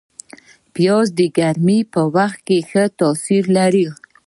پیاز د ګرمۍ په وخت ښه تاثیر لري